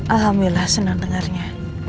alhamdulillah senang dengarnya